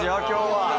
今日は。